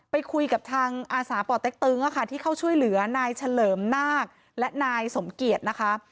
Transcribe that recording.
ไปคุยกับทางอาสาป่อเต็กตึงที่เข้าช่วยเหลือนายเฉลิมนาคและนายสมเกียจนะคะ